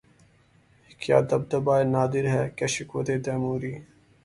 کیا دبدبۂ نادر کیا شوکت تیموری